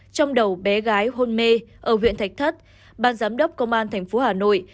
trong đầu bé gái hôn mê ở huyện thạch thất ban giám đốc công an tp hà nội